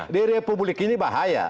di republik ini bahaya